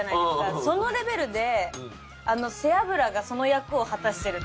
そのレベルで背脂がその役を果たしてる。